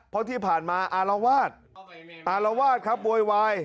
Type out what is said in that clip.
เพราะที่ผ่านมาอารวาสอารวาสครับโวยวาย